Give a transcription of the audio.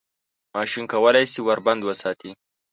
ماشوم کولای شي ور بند وساتي.